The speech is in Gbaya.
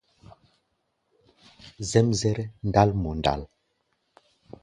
Zɛ́mzɛ́rɛ́ ndál mɔ ndǎl.